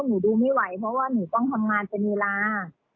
หนูดูไม่ไหวเพราะว่าหนูต้องทำงานเป็นเวลา